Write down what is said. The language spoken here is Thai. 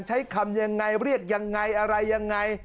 ใช้คำยังไงเรียกยังไงอะไรยังไง